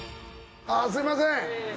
あぁすみません。